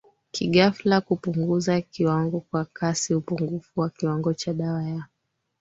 kighafla kupunguza kiwango kwa kasi upungufu wa kiwango cha dawa ya